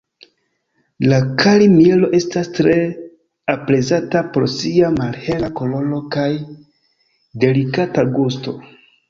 La kari-mielo estas tre aprezata por sia malhela koloro kaj delikata gusto.